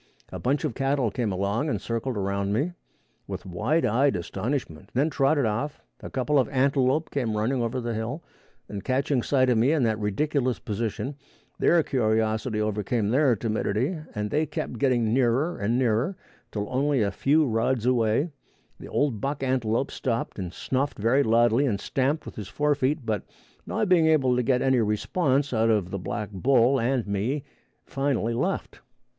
A bunch of cattle came along and circled around me with wide eyed astonishment, then trotted off; a couple of antelope came running over the hill, and catching sight of me in that ridiculous position, their curiosity overcame their timidity and they kept getting nearer and nearer, till only a few rods away, the old buck antelope stopped and snuffed very loudly and stamped with his fore feet, but, not being able to get any response out of the black bull and me, finally left.